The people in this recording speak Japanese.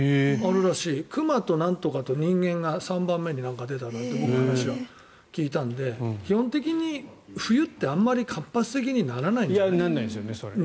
熊となんとかと人間が３番目に出たんだって話を僕は聞いたんだけど基本的に冬ってあまり活発的にならないんじゃないですか。